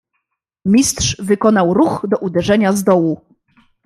"Mistrz wykonał ruch do uderzenia z dołu."